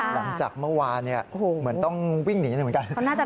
หลังจากเมื่อวานเหมือนต้องวิ่งหนีเลยเหมือนกัน